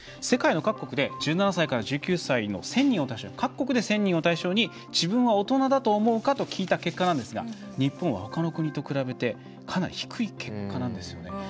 世界の各国で１７歳から１９歳の各国で１０００人を対象に自分は大人だと思うかと聞いた結果なんですが日本はほかの国と比べてかなり低い結果なんですよね。